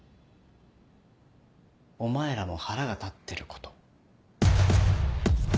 お前らも腹が立ってること。